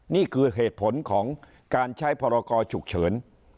นี่คือเหตุผลของการใช้พรกรฉุกเฉิน